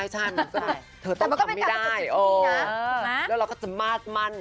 ใช่เราก็จะมาดมั่น